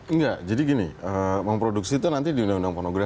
enggak jadi gini memproduksi itu nanti diundang undang